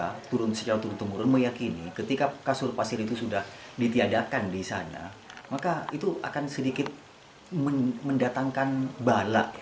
kita turun secara turun temurun meyakini ketika kasur pasir itu sudah ditiadakan di sana maka itu akan sedikit mendatangkan bala